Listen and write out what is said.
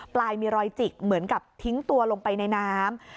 ปลายมีรอยจิกเหมือนกับทิ้งตัวลงไปในน้ำ